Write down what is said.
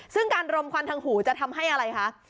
ซึ่งการรมควันทางหูจะทำให้อะไรคะ